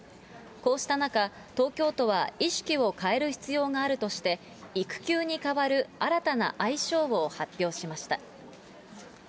こうした中、東京都は意識を変える必要があるとして、育休に代わる新たな愛称を発表しました。